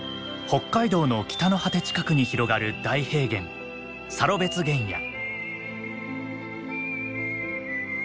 北海道の北の果て近くに広がる大平原サロベツ原野。